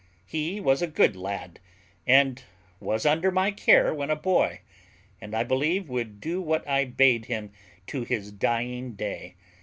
He was a good lad, and was under my care when a boy; and I believe would do what I bade him to his dying day.